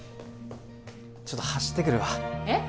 ちょっと走ってくるわえっ？